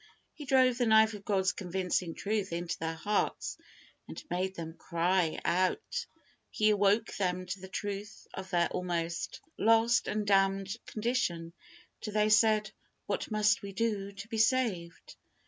He drove the knife of God's convincing truth into their hearts, and made them cry out. He awoke them to the truth of their almost lost and damned condition, till they said, "What must we do to be saved?"